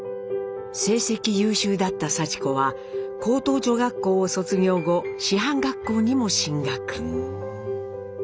成績優秀だったさち子は高等女学校を卒業後師範学校にも進学。